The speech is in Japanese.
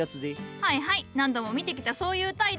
はいはい何度も見てきたそういう態度。